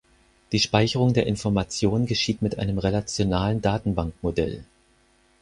Die Speicherung der Informationen geschieht mit einem relationalen Datenbankmodell.